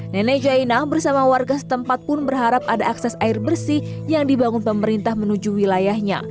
nenek jainah bersama warga setempat pun berharap ada akses air bersih yang dibangun pemerintah menuju wilayahnya